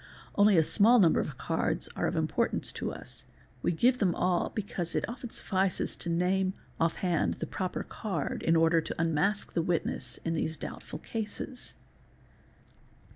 Only a small number of cards are of importance to us: we give them all because it often suffices to name, off hand, the proper card, in order to unmask the witness in these doubtful cases.